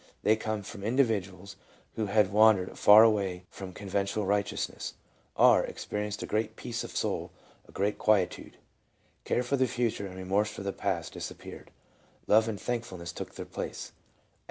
They come from individuals who had wandered far away from conventional righteousness. R. ex perienced a great peace of soul, a great quietude. Care for the future and remorse for the past disappeared. Love and thankfulness took their place.